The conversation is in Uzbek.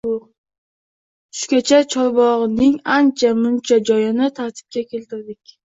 Tushgacha chorbogʻning ancha-muncha joyini tartibga keltirdik.